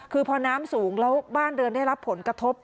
คือพอน้ำสูงแล้วบ้านเรือนได้รับผลกระทบ